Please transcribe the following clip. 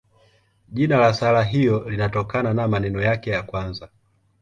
Jina la sala hiyo linatokana na maneno yake ya kwanza.